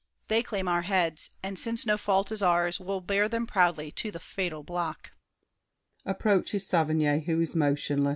They claim our heads; and since no fault is ours, We'll bear them proudly to the fatal block.